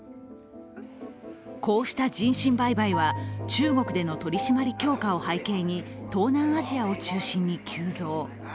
こうした人身売買は中国での取り締まり強化を背景に東南アジアを中心に急増。